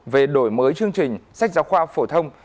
về đổi mới chương trình sách giáo khoa phổ thông